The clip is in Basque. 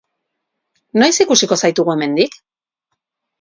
Noiz ikusiko zaitugu hemendik?